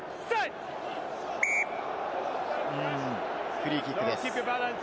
フリーキックです。